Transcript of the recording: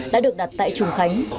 đã được đặt tại trùng khánh